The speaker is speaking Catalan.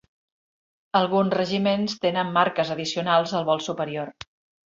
Alguns regiments tenen marques addicionals al vol superior.